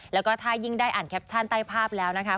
แล้วก็ถ้ายิ่งได้อ่านแคปชั่นใต้ภาพแล้วนะคะ